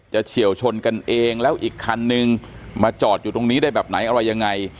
เฉียวชนกันเองแล้วอีกคันนึงมาจอดอยู่ตรงนี้ได้แบบไหนอะไรยังไง